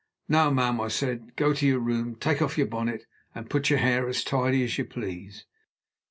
"Now, ma'am," I said, "go to your room; take off your bonnet, and put your hair as tidy as you please."